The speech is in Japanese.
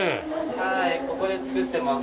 はいここで造ってます。